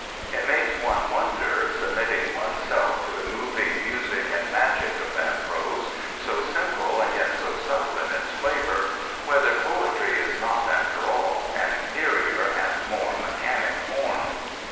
It makes one wonder, submitting one's self to the moving music and magic of that prose, so simple and yet so subtle in its flavor, whether poetry is not, after all, an inferior and more mechanic form.